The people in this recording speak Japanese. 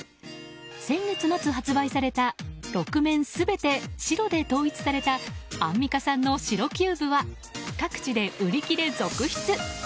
先月末、発売された６面全て白で統一されたアンミカさんの白キューブは各地で売り切れ続出。